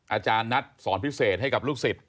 อาจารย์นัดสอนพิเศษให้กับลูกศิษย